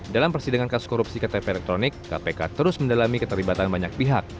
dalam persidangan kasus korupsi ktp elektronik kpk terus mendalami keterlibatan banyak pihak